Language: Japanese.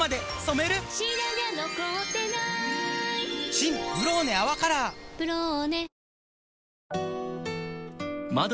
新「ブローネ泡カラー」「ブローネ」